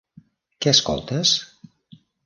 Què escoltes?